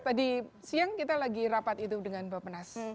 tadi siang kita lagi rapat itu dengan bapak nas